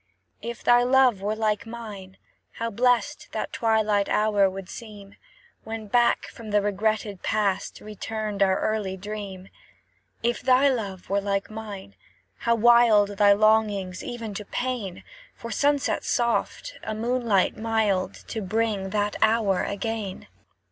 If thy love were like mine, how blest That twilight hour would seem, When, back from the regretted Past, Returned our early dream! If thy love were like mine, how wild Thy longings, even to pain, For sunset soft, and moonlight mild, To bring that hour again!